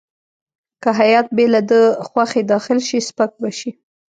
که هیات بې له ده خوښې داخل شي سپک به شي.